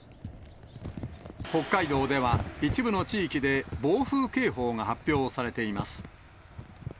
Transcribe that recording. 北海道では一部の地域で暴風警報が発表されています。